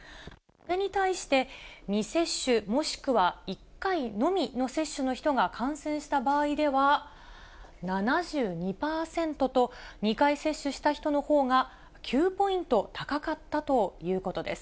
これに対して、未接種、もしくは１回のみの接種の人が感染した場合では、７２％と、２回接種した人のほうが９ポイント高かったということです。